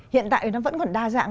hiện tại nó vẫn còn đa dạng